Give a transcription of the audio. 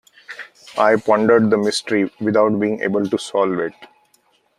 I pondered the mystery, without being able to solve it.